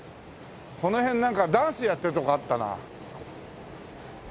この辺なんかダンスやってるとこあったな。